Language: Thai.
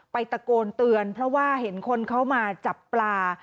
ตะโกนเตือนเพราะว่าเห็นคนเขามาจับปลา